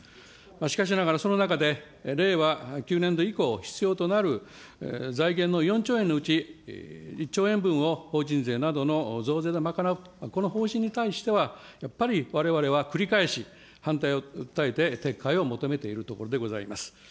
しかしながら、その中で令和９年度以降、必要となる財源の４兆円のうち、１兆円分を法人税などの増税で賄う、この方針に対しては、やっぱりわれわれは繰り返し、反対を訴えて、撤回を求めているところでございます。